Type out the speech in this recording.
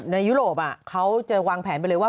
ยุโรปเขาเจอวางแผนไปเลยว่า